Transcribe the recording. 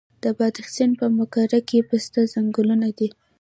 د بادغیس په مقر کې د پسته ځنګلونه دي.